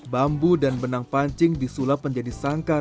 bambu dan benang pancing disulap menjadi sangkar